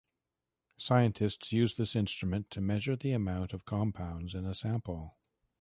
Scientists use this instrument to measure the amount of compounds in a sample.